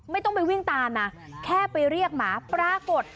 ไม่ต้องไปวิ่งตามนะแค่ไปเรียกหมาปรากฏ